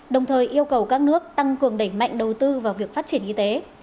đồng thời yêu cầu các nước tăng cường đẩy mạnh đầu tư vào việc phát triển y tế